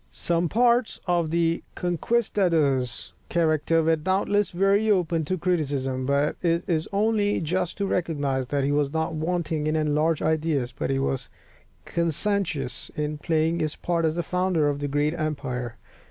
Some parts of the "conquistador's" character were doubtless very open to criticism, but it is only just to recognize that he was not wanting in enlarged ideas, and that he was conscientious in playing his part as the founder of a great empire.